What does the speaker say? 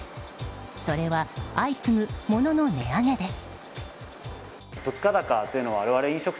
それは、相次ぐものの値上げです。